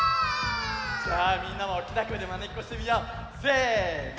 じゃあみんなもおおきなこえでまねっこしてみよう！せの！